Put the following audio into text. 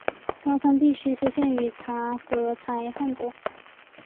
高昌地区失陷于察合台汗国。